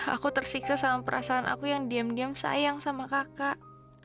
aku tersiksa sama perasaan aku yang diam diam sayang sama kakak